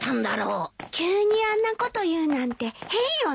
急にあんなこと言うなんて変よね。